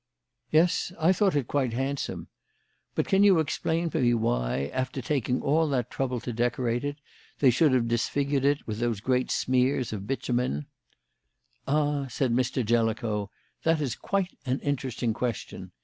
"Yes, I thought it quite handsome. But can you explain to me why, after taking all that trouble to decorate it, they should have disfigured it with those great smears of bitumen?" "Ah!" said Mr. Jellicoe, "that is quite an interesting question.